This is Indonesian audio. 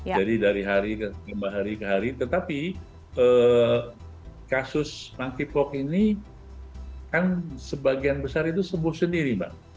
jadi dari hari ke hari tetapi kasus mangkipok ini kan sebagian besar itu sembuh sendiri mbak